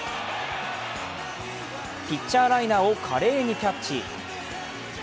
ピッチャーライナーを華麗にキャッチ。